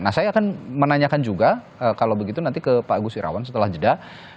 nah saya akan menanyakan juga kalau begitu nanti ke pak gus irawan setelah jeda